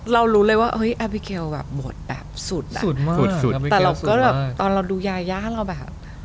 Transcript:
เรารู้เลยว่าอับริเกียลแบบบทแบบสุดอะแต่เราก็ตอนเราดูยายาเราแบบ